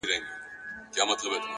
هره هڅه د سبا لپاره پانګونه ده!